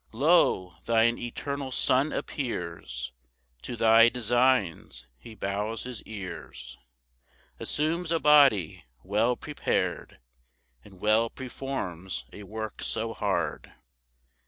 3 Lo! thine eternal Son appears, To thy designs he bows his ears, Assumes a body, well prepar'd, And well performs a work so hard.